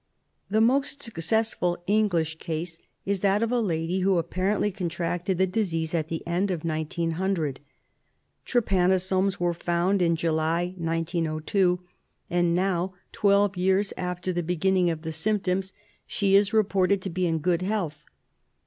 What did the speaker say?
The most successful English case is that of a lady who apparently contracted the disease at the end of 1900. Trypanosomes were found in July, 1902, and now, twelve years after the beginning of the symptoms, she is reported to be in good health.